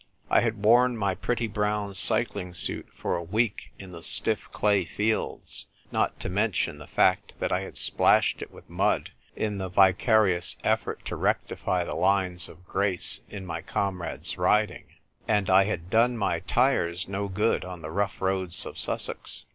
I had worn my pretty brown cycling suit for a week in the stiff clay fields, not to mention the fact that I had splashed it with mud in the vica rious effort to rectify the lines of grace in my comrades' riding ; and I had done my tyres no good on the rough roads of Sussex.